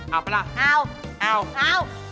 เอาปะละเอา